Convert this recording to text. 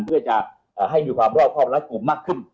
เพื่อจะให้มีความรอบครอบรัดกลุ่มมากขึ้น